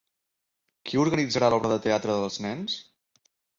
Qui organitzarà l'obra de teatre dels nens?